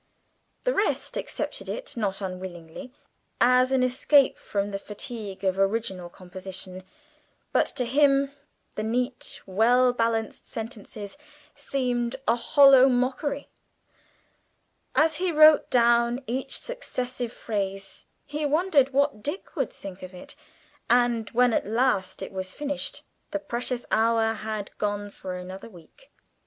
The rest accepted it not unwillingly as an escape from the fatigue of original composition, but to him the neat, well balanced sentences seemed a hollow mockery. As he wrote down each successive phrase, he wondered what Dick would think of it, and when at last it was finished, the precious hour had gone for another week!